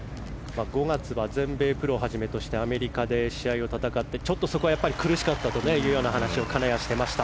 ５月は全米プロとしてアメリカで試合を戦ってちょっとそこは苦しかったというような話を金谷はしていました。